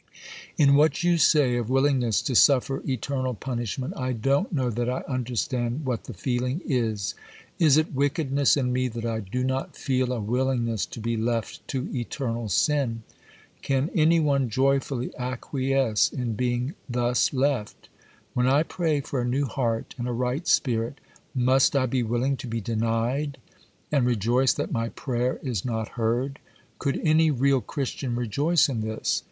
'In what you say of willingness to suffer eternal punishment, I don't know that I understand what the feeling is. Is it wickedness in me that I do not feel a willingness to be left to eternal sin? Can any one joyfully acquiesce in being thus left? When I pray for a new heart and a right spirit, must I be willing to be denied, and rejoice that my prayer is not heard? Could any real Christian rejoice in this?